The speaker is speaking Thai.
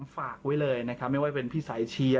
ฝากไว้เลยนะครับไม่ว่าเป็นพี่สายเชียร์